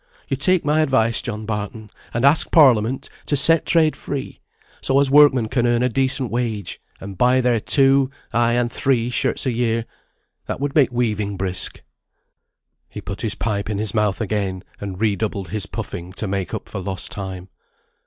Yo take my advice, John Barton, and ask Parliament to set trade free, so as workmen can earn a decent wage, and buy their two, ay and three, shirts a year; that would make weaving brisk." He put his pipe in his mouth again, and redoubled his puffing to make up for lost time.